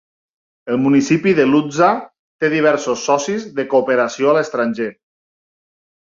El municipi de Ludza té diversos socis de cooperació a l'estranger.